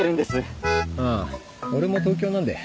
ああ俺も東京なんで。